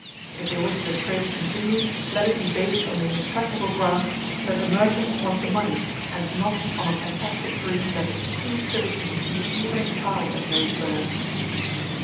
If they wish the trade to continue, let it be based on the impregnable ground that the merchants want the money, and not on a fantastic dream that is too silly to deceive even a child that knows birds.